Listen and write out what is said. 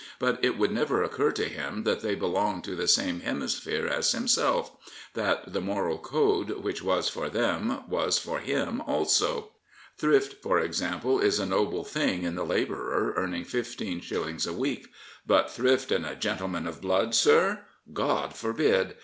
But it would never occur to him that they belonged to the same hemisphere as himself, that the moral code which was for them was for hiJ also. Thrift, for example, is a noble thing in the labourer earning fifteen shillings a week; but thrift in a gentle man of blood, sir? — God forbid!